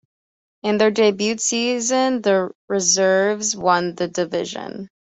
In their debut season, the reserves won the division.